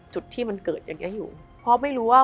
จุดที่มันเกิดอย่างเงี้อยู่เพราะไม่รู้ว่า